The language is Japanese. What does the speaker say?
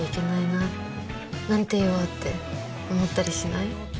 「なんて言おう」って思ったりしない？